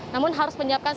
namun harus menyiapkan surat